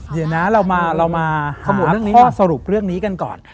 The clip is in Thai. เดี๋ยวนะเรามาหาข้อสรุปเรื่องนี้กันก่อน